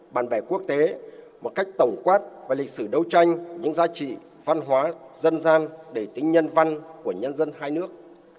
bạn bè quốc tế một cách tổng quát về lịch sử đấu tranh những giá trị văn hóa dân gian đầy tính nhân văn của nhân dân hai nước